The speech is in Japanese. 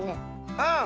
うん！